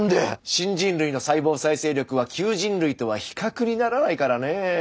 新人類の細胞再生力は旧人類とは比較にならないからねぇ。